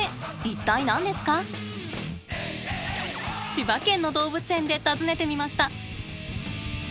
千葉県の動物園で尋ねてみました。